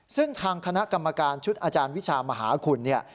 ซึ่งทางคณะกรรมการชุดอาจารย์วิชามหาคุณเนี่ย